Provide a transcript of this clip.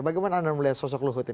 bagaimana anda melihat sosok luhut ini